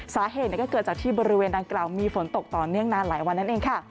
สาเหตุก็เกิดจากที่บริเวณดังกล่าวมีฝนตกต่อเนื่องนานหลายวันนั่นเองค่ะ